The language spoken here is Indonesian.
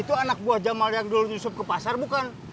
itu anak buah jamal yang dulu nyusup ke pasar bukan